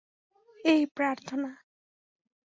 এই, প্রার্থনা।